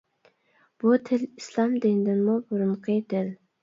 بۇ تىل ئىسلام دىنىدىنمۇ بۇرۇنقى تىل.